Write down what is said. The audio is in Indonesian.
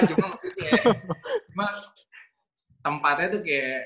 cuma tempatnya tuh kayak